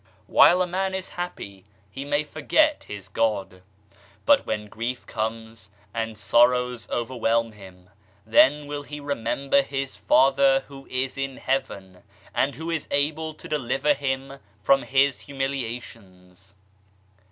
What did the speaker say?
While a man is happy he may forget his God ; but when grief comes and sorrows overwhelm him, then will he remember his Father who is in Heaven, and who is able to deliver him from his humiliations.